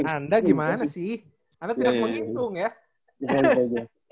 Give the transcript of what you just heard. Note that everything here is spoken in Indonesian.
anda gimana sih anda tidak menghitung ya